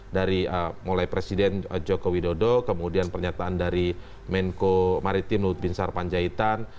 dari mulai presiden joko widodo kemudian pernyataan dari menko maritim lutbinsar panjaitan